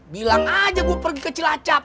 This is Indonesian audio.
bilang aja gue pergi ke cilacap